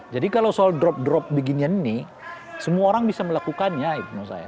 jadi kalau soal drop drop beginian nih semua orang bisa melakukannya ya menurut saya